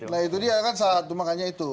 nah itu dia kan satu makanya itu